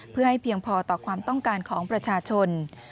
เพื่อให้เพียงพอต่อความต้องการของประชาชน